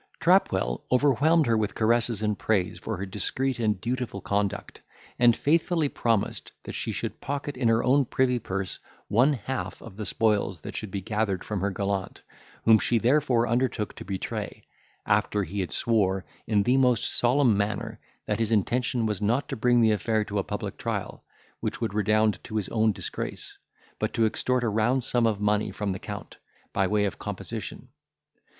Trapwell overwhelmed her with caresses and praise for her discreet and dutiful conduct, and faithfully promised that she should pocket in her own privy purse one half of the spoils that should be gathered from her gallant, whom she therefore undertook to betray, after he had swore, in the most solemn manner, that his intention was not to bring the affair to a public trial, which would redound to his own disgrace, but to extort a round sum of money from the Count, by way of composition.